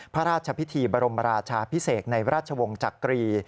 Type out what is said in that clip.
พระราชพิธีบรมราชาพิเศษในราชวงศ์จักรี